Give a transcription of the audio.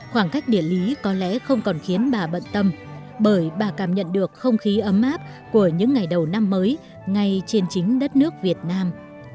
khoảng cách địa lý có lẽ không còn khiến bà bận tâm bởi bà cảm nhận được không khí ấm áp của những ngày đầu năm mới ngay trên chính đất nước việt nam